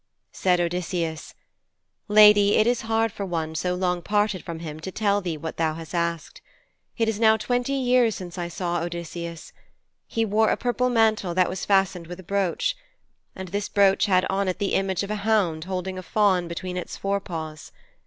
Said Odysseus, 'Lady, it is hard for one so long parted from him to tell thee what thou hast asked. It is now twenty years since I saw Odysseus. He wore a purple mantle that was fastened with a brooch. And this brooch had on it the image of a hound holding a fawn between its fore paws.